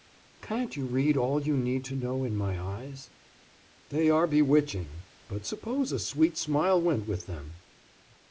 "Can't you read all you need to know in my eyes?" "They are bewitching, but suppose a sweet smile went with them?"